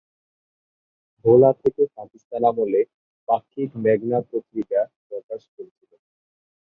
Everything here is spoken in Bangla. ভোলা থেকে পাকিস্তান আমলে ‘পাক্ষিক মেঘনা পত্রিকা’ প্রকাশ করেছিলেন।